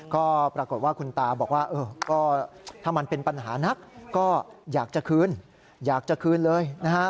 ก็ปรากฏว่าคุณตาบอกว่าก็ถ้ามันเป็นปัญหานักก็อยากจะคืนอยากจะคืนเลยนะฮะ